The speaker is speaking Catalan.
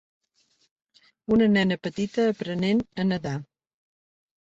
Una nena petita aprenent a nedar.